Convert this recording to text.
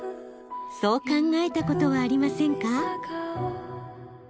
そう考えたことはありませんか？